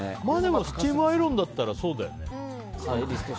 スチームアイロンだったらそうだよね。